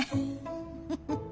フフフ。